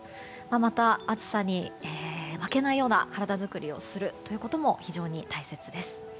また、暑さに負けないような体作りをすることも非常に大切です。